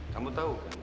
kamu tau kan